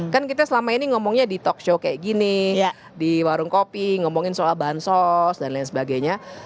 kan kita selama ini ngomongnya di talk show kayak gini di warung kopi ngomongin soal bansos dan lain sebagainya